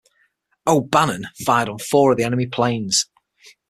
"O'Bannon" fired on four of the enemy planes.